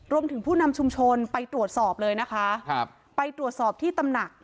ผู้นำชุมชนไปตรวจสอบเลยนะคะครับไปตรวจสอบที่ตำหนัก